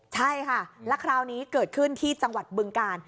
ใช่ค่ะแล้วคราวนี้เกิดขึ้นที่จังหวัดบึงกาล